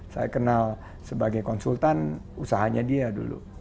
saya kenal sebagai konsultan usahanya dia dulu